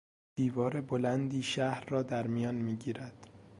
دیوار بلندی شهر را درمیان میگیرد.